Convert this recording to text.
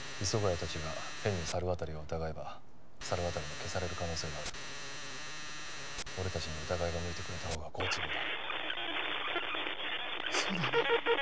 谷達が変に猿渡を疑えば猿渡に消される可能性がある俺達に疑いが向いてくれたほうが好都合だそうだね